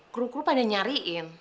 kru kru pada nyariin